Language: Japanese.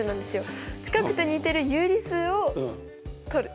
近くて似てる有理数をとる。